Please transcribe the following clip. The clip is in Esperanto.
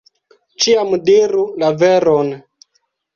Ĉiam diru la veron!